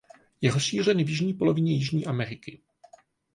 Je rozšířen v jižní polovině Jižní Ameriky.